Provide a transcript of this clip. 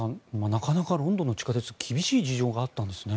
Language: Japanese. なかなか、ロンドンの地下鉄厳しい事情があったんですね。